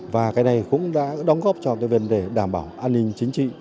và cái này cũng đã đóng góp cho cái vấn đề đảm bảo an ninh chính trị